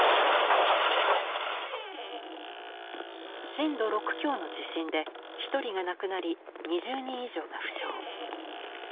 震度６強の地震で１人が亡くなり２０人以上が負傷。